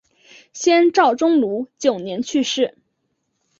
先赵宗儒九年去世。